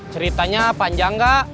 ceritanya panjang enggak